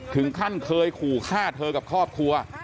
ถึงขั้นเคยขู่ฆ่าเธอกับครอบครัว